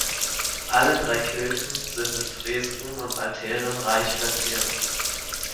Alle drei Kirchen sind mit Fresken und Altären reich verziert.